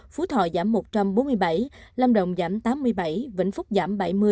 phú thọ giảm một trăm bốn mươi bảy lâm động giảm tám mươi bảy vĩnh phúc giảm bảy mươi